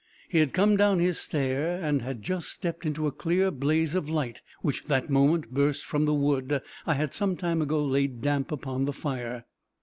He had come down his stair, and had just stepped into a clear blaze of light, which that moment burst from the wood I had some time ago laid damp upon the fire.